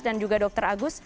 dan juga dokter agus